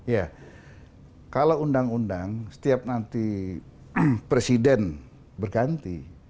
ya kalau undang undang setiap nanti presiden berganti